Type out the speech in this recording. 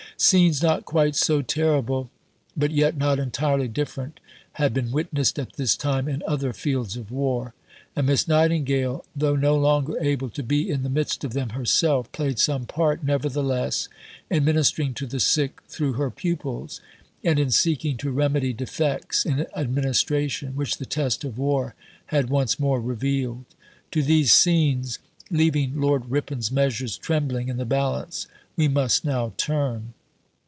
Scenes not quite so terrible, but yet not entirely different, had been witnessed at this time in other fields of war; and Miss Nightingale, though no longer able to be in the midst of them herself, played some part, nevertheless, in ministering to the sick through her pupils, and in seeking to remedy defects in administration which the test of war had once more revealed. To these scenes, leaving Lord Ripon's measures trembling in the balance, we must now turn.